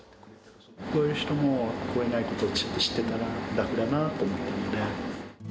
聞こえる人も聞こえないことを知っていたら、楽だなと思ったので。